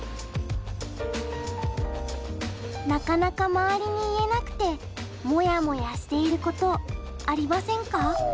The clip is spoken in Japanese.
なかなか周りに言えなくてもやもやしていることありませんか？